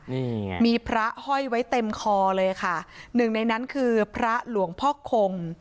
นี่ไงมีพระห้อยไว้เต็มคอเลยค่ะหนึ่งในนั้นคือพระหลวงพ่อคง